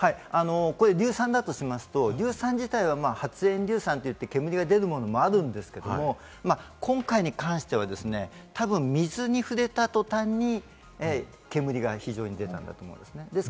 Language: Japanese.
硫酸だとしますと、硫酸自体は発煙硫酸といって煙が出るものもあるんですけれども、今回に関してはたぶん水に触れた途端に煙が非常に出たんだと思いますね。